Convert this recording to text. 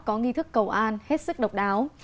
có nghi thức cầu an hết sức độc đáo